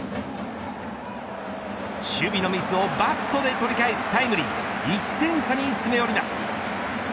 守備のミスをバットで取り返すタイムリー１点差に詰め寄ります。